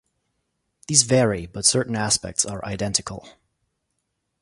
These vary, but certain aspects are identical.